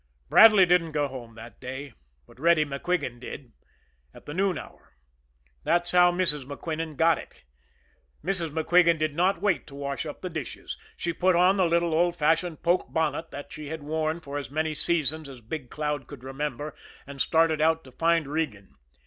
Bradley didn't go home that day; but Reddy MacQuigan did at the noon hour. That's how Mrs. MacQuigan got it. Mrs. MacQuigan did not wait to wash up the dishes. She put on the little old fashioned poke bonnet that she had worn for as many seasons as Big Cloud could remember, and started out to find Regan.